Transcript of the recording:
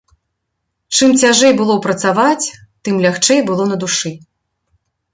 Чым цяжэй было працаваць, тым лягчэй было на душы.